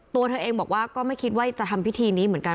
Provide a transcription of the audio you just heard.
ตัวเธอเองบอกว่าก็ไม่คิดว่าจะทำพิธีนี้เหมือนกัน